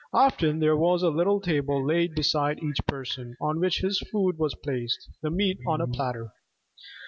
Often there was a little table laid beside each person, on which his food was placed the meat on a platter.